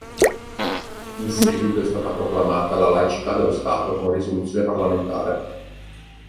In seguito è stata proclamata la laicità dello Stato con risoluzione parlamentare.